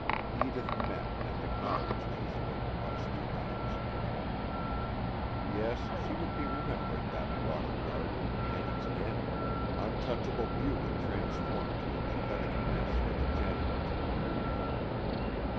Edith met and acknowledged his look across the anonymous crowd yes, she would be remembering that water garden, and its end, untouchable beauty transformed to a pathetic mess for the janitor to remove.